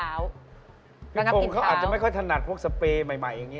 ละงับกินเท้าโภงเขาอาจจะไม่ค่อยทนัดพวกสเปรย์ใหม่อย่างนี้